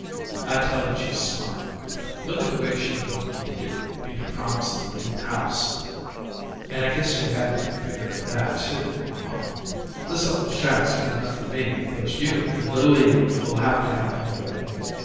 I tell you she's smart! Look at the way she worked me to get me to promise the New House and I guess you had your finger in that, too, mamma! This old shack's good enough for me, but you and little Edie 'll have to have your way.